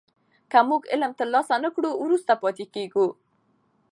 که موږ علم ترلاسه نه کړو وروسته پاتې کېږو.